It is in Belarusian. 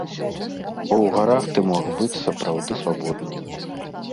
Бо ў гарах ты мог быць сапраўды свабодным.